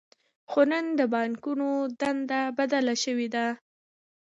خو نن د بانکونو دنده بدله شوې ده